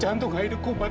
jantung aida kubat